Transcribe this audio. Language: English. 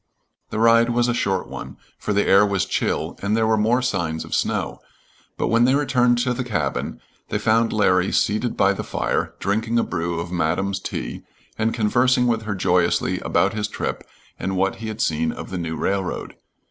The ride was a short one, for the air was chill, and there were more signs of snow, but when they returned to the cabin, they found Larry seated by the fire, drinking a brew of Madam's tea and conversing with her joyously about his trip and what he had seen of the new railroad.